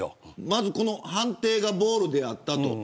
まず判定がボールであったと。